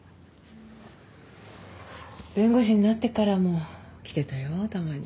弁護士になってからも来てたよたまに。